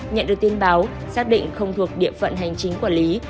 nhận được tin báo xác định không thuộc địa phận hành chính quản lý